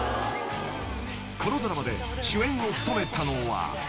［このドラマで主演を務めたのは］